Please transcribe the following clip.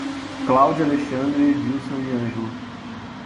Cláudia, Alexandre, Edílson e Ângelo